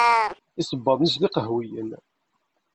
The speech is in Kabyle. Isebbaḍen-is d iqehwiyen.